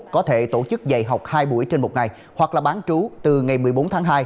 có thể tổ chức dạy học hai buổi trên một ngày hoặc là bán trú từ ngày một mươi bốn tháng hai